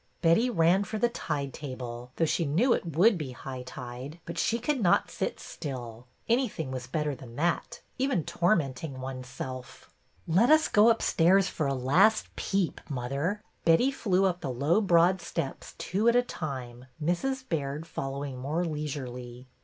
Betty ran for the tide table, though she knew it would be high tide; but she could not sit still. Anything was better than that, even tormenting one's self ! Let us go upstairs for a last peep, mother." Betty flew up the low broad steps two at a time, Mrs. Baird following more leisurely.